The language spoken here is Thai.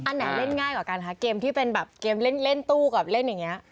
อันไหนเล่นง่ายกว่ากันคะเกมที่เป็นแบบเกมเล่นตู้กับเล่นอย่างนี้